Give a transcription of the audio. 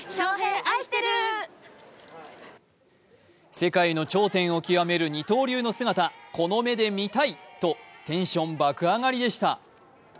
世界の頂点をきわめる二刀流の姿、この目で見たいとテンション爆上がりでした。